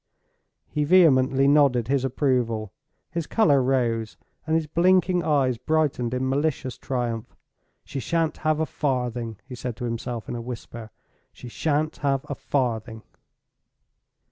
He vehemently nodded his approval; his color rose, and his blinking eyes brightened in malicious triumph. "She shan't have a farthing," he said to himself, in a whisper—"she shan't have a farthing!"